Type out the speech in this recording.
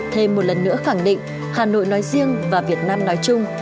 thêm một lần nữa khẳng định hà nội nói riêng và việt nam nói chung